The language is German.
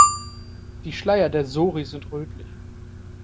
Die Schleier der Sori sind rötlich.